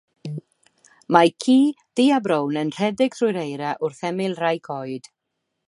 Mae ci du a brown yn rhedeg trwy'r eira wrth ymyl rhai coed.